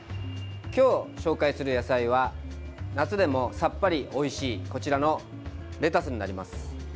今日紹介する野菜は夏でもさっぱりおいしいこちらのレタスになります。